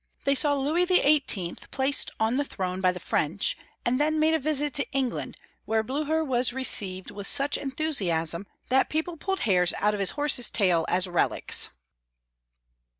They saw Louis XVIII. placed on the throne by the French, and then made a visit to England, where Blucher was received with such enthusiasm that people pulled hairs out of his horse's taU as relics.